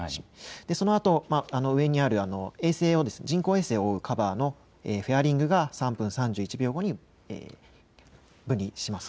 そのあと上にある人工衛星のカバー、フェアリングが３分３１秒後に分離します。